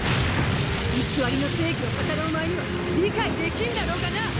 偽りの正義を語るお前には理解できんだろうがな！